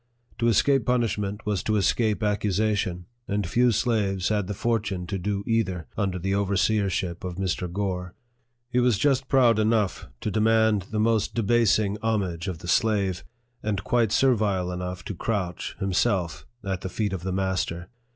To escape punishment was to escape accusation ; and few slaves had the fortune to do either, under the overseership of Mr. Gore. He was just proud enough to demand the most debasing homage of the slave, and quite servile enough to crouch, himself, at the feet of the master.